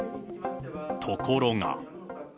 ところが。